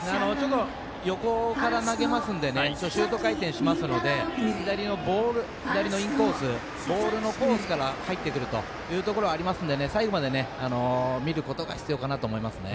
横から投げますのでシュート回転しますので左のインコースボールコースから入ってくるというところがありますので最後まで見ることが必要かなと思います。